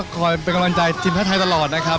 กำลังใจทหัวไทยไปตลอดครับ